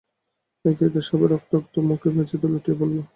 একে একে সবাই রক্তাক্ত মুখে মেঝেতে লুটিয়ে পড়ল।